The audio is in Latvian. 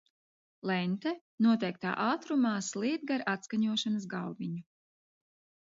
Lente noteiktā ātrumā slīd gar atskaņošanas galviņu.